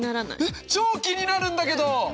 えっ超気になるんだけど！